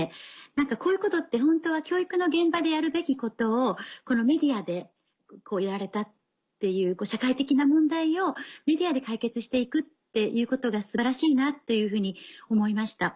何かこういうことってホントは教育の現場でやるべきことをこのメディアでやれたっていう社会的な問題をメディアで解決して行くっていうことが素晴らしいなというふうに思いました。